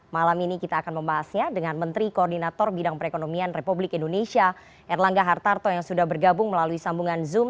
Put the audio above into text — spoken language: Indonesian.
malam ini kita akan membahasnya dengan menteri koordinator bidang perekonomian republik indonesia erlangga hartarto yang sudah bergabung melalui sambungan zoom